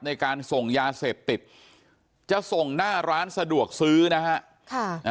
ในการส่งยาเสพติดจะส่งหน้าร้านสะดวกซื้อนะฮะ